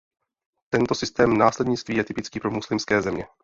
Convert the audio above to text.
Tento systém následnictví je typický pro muslimské země.